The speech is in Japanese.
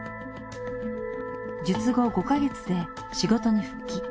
術後５か月で仕事に復帰。